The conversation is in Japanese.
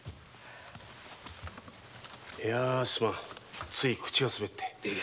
すまんつい口が滑った。